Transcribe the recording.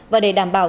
và để đảm bảo